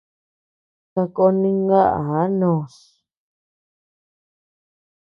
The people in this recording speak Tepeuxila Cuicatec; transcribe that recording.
Sakón ninkaʼa noos.